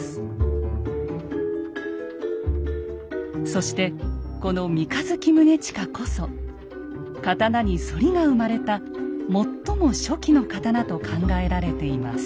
そしてこの「三日月宗近」こそ刀に反りが生まれた最も初期の刀と考えられています。